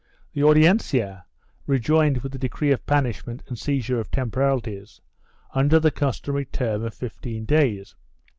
The Audiencia rejoined with the decree of banishment and seizure of temporalities, under the customary term of fifteen days.